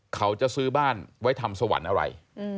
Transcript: เขาจะซื้อบ้านไว้ทำสวรรค์อะไร